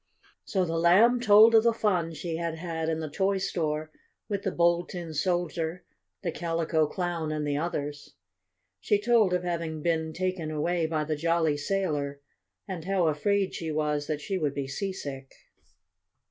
So the Lamb told of the fun she had had in the toy store with the Bold Tin Soldier, the Calico Clown, and the others. She told of having been taken away by the jolly sailor, and how afraid she was that she would be seasick.